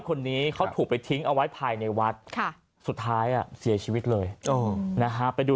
คนนี้เขาถูกไปทิ้งเอาไว้ภายในวัดสุดท้ายเสียชีวิตเลยนะฮะไปดู